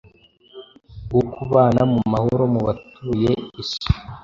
wo kubana mu mahoro mu batuye isi,